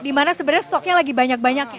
dimana sebenarnya stoknya lagi banyak banyak ya